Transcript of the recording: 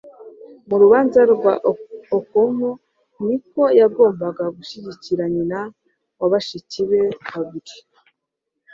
mu rubanza rwa okonkwo ni uko yagombaga gushyigikira nyina na bashiki be babiri